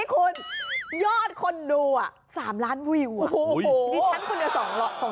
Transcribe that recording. พี่คุณยอดคนดู๓ล้านผู้หญิง